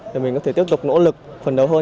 để mình có thể tiếp tục nỗ lực phần đầu hơn